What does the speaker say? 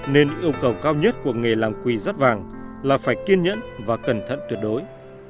nên yêu cầu cao nhất của nghề làm quỳ rất vàng là phải kiên nhẫn và cẩn thận tuyệt đối